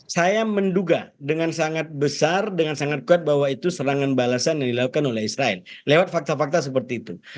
saya menduga dengan sangat besar dengan sangat kuat bahwa itu serangan balasan yang dilakukan oleh israel lewat fakta fakta seperti itu